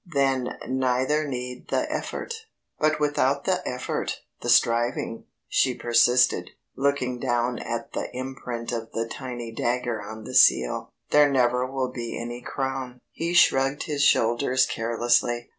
"Then neither need the effort." "But without the effort the striving," she persisted, looking down at the imprint of the tiny dagger on the seal, "there never will be any crown." He shrugged his shoulders carelessly.